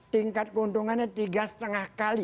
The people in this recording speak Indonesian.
tingkat keuntungannya tiga lima kali